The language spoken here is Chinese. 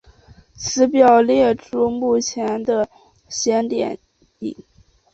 此表列出目前的邪典电影。